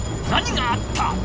何があった？